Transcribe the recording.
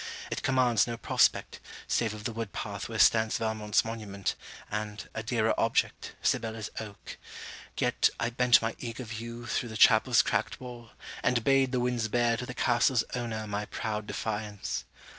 It commands no prospect, save of the wood path where stands Valmont's monument, and, a dearer object, Sibella's oak; yet, I bent my eager view through the chapel's cracked wall, and bade the winds bear to the castle's owner my proud defiance.